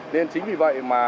nên chính vì vậy mà